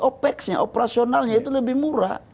opexnya operasionalnya itu lebih murah